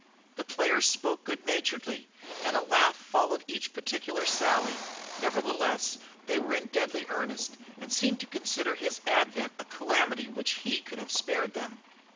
The players spoke good naturedly, and a laugh followed each particular sally; nevertheless they were in deadly earnest, and seemed to consider his advent a calamity which he could have spared them.